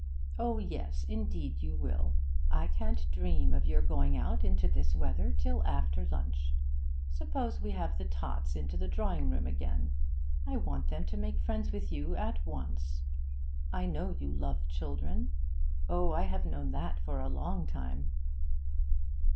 'Oh yes, indeed you will; I can't dream of your going out into this weather till after lunch. Suppose we have the tots into the drawing room again? I want them to make friends with you at once. I know you love children. Oh, I have known that for a long time!'